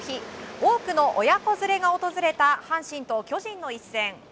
多くの親子連れが訪れた阪神と巨人の一戦。